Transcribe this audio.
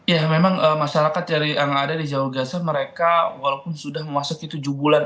ya memang masyarakat yang ada di jalur gaza mereka walaupun sudah memasuki tujuh bulan